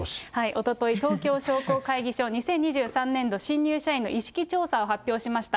おととい、東京商工会議所２０２３年度新入社員の意識調査を発表しました。